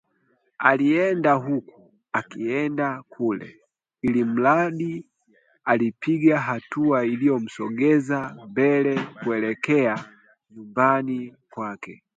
Alienda huku, akaenda kule, ilimradi alipiga hatua iliyomsogeza mbele kuelekea nyumbani kwake